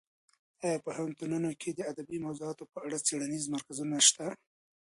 ایا په پوهنتونونو کې د ادبي موضوعاتو په اړه څېړنیز مرکزونه شته؟